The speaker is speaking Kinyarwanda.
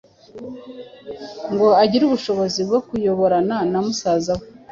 ngo agire ubushobozi bwo kuyoborana na musaza we.